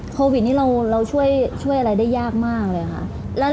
โควิดนี้เราช่วยอะไรได้ยากมากเลยค่ะ